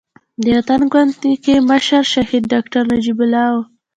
د وطن ګوند کې مشر شهيد ډاکټر نجيب الله وو.